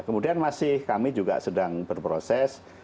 kemudian masih kami juga sedang berproses